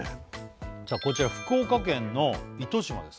こちら福岡県の糸島です